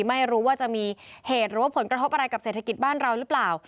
ไม่รู้ว่าจะมีเหตุหรือว่าผลกระทบอะไรกับเศรษฐกิจบ้านเราหรือเปล่า